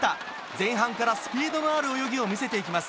前半からスピードのある泳ぎを見せていきます。